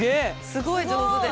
すごい上手です。